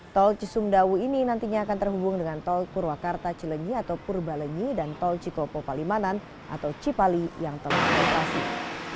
tol cisumdawu ini nantinya akan terhubung dengan tol purwakarta cilenyi atau purbalenyi dan tol cikopo palimanan atau cipali yang telah beroperasi